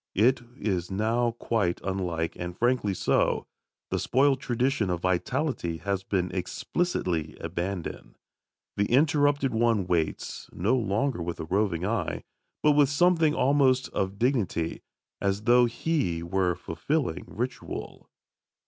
It is now quite unlike, and frankly so. The spoilt tradition of vitality has been explicitly abandoned. The interrupted one waits, no longer with a roving eye, but with something almost of dignity, as though he were fulfilling ritual.